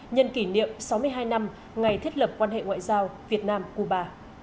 nhân kỷ niệm sáu mươi hai năm ngày thiết lập quan hệ ngoại giao việt nam cuba